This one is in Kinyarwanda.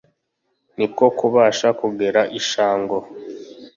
Ni ko kubasha kugera i Shango.